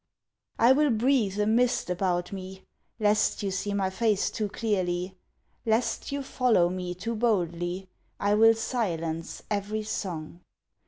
I will breathe a mist about me Lest you see my face too clearly, Lest you follow me too boldly I will silence every song.